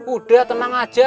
udah tenang aja